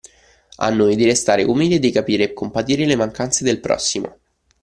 A noi di restare umili e di capire e compatire le mancanze del prossimo.